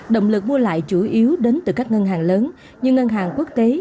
động lực mua lại chủ yếu đến từ các ngân hàng lớn như ngân hàng quốc tế